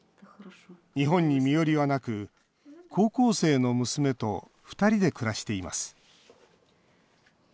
日本に身寄りはなく高校生の娘と２人で暮らしています。